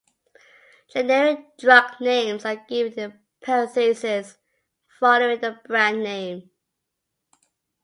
Generic drug names are given in parentheses following the brand name.